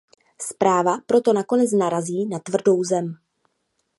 Zpráva proto nakonec narazí na tvrdou zem.